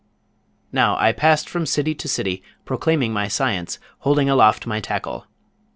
Now, I passed from city to city, proclaiming my science, holding aloft my tackle.